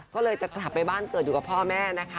ก็เลยจะกลับไปบ้านเกิดอยู่กับพ่อแม่นะคะ